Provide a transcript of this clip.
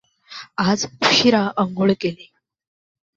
आज उशीरा अंघोळ केली.